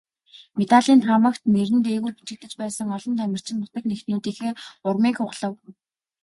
Медалийн таамагт нэр нь дээгүүр бичигдэж байсан олон тамирчин нутаг нэгтнүүдийнхээ урмыг хугалав.